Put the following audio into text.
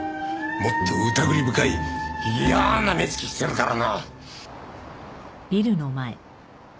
もっと疑り深い嫌な目つきしてるからな。